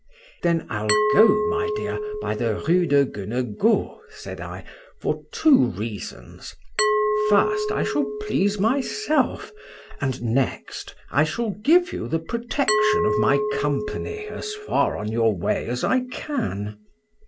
—Then I'll go, my dear, by the Rue de Gueneguault, said I, for two reasons; first, I shall please myself, and next, I shall give you the protection of my company as far on your way as I can.